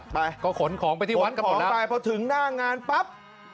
ใช้จัดไปก็ขนของไปที่วันก่อนแล้วขนของไปเพราะถึงหน้างานปั๊บ